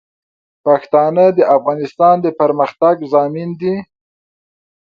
پښتانه د افغانستان د پرمختګ ضامن دي.